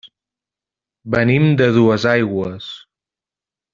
Venim de Duesaigües.